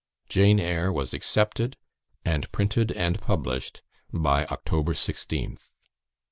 "Jane Eyre" was accepted, and printed and published by October 16th.